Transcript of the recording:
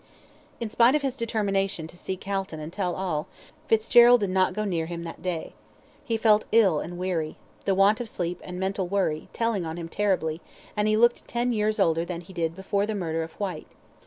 In spite of his determination to see Calton and tell all, Fitzgerald did not go near him that day. He felt ill and weary, the want of sleep, and mental worry, telling on him terribly, and he looked ten years older than he did before the murder of Whyte.